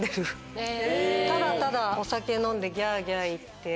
ただただお酒飲んでギャギャ言って。